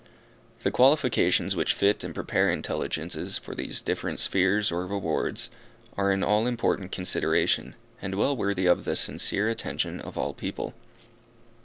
The qualifications which fit and prepare intelligences, for these different spheres or rewards, are an all important consideration, and well worthy of the sincere attention of all people.